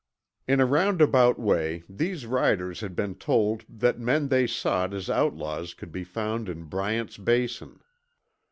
In a roundabout way, these riders had been told that men they sought as outlaws could be found in Bryant's Basin.